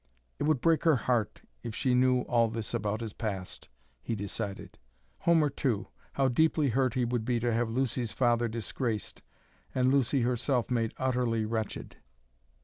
"It would break her heart if she knew all this about his past," he decided. Homer, too, how deeply hurt he would be to have Lucy's father disgraced and Lucy herself made utterly wretched!